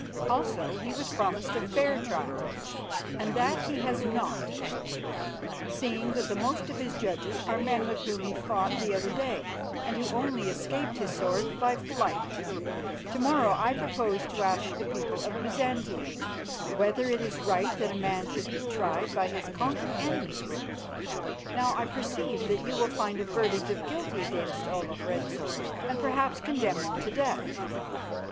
Also he was promised a fair trial, and that he has not, seeing that the most of his judges are men with whom he fought the other day and who only escaped his sword by flight. To morrow I propose to ask the people of Byzantium whether it is right that a man should be tried by his conquered enemies. Now I perceive that you will find a verdict of 'guilty' against Olaf Red Sword, and perhaps condemn him to death.